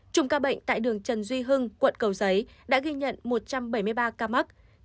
trùng ca bệnh tại đường trần duy hưng quận cầu giấy đã ghi nhận một trăm bảy mươi ba ca mắc